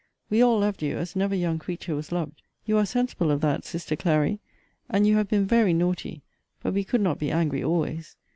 We all loved you as never young creature was loved: you are sensible of that, sister Clary. And you have been very naughty but we could not be angry always.